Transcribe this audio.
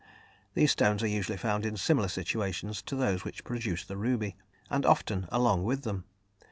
These stones are usually found in similar situations to those which produce the ruby, and often along with them.